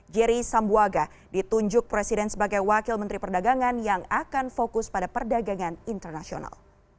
jerry sambuaga ditunjuk presiden sebagai wakil menteri perdagangan yang akan fokus pada perdagangan internasional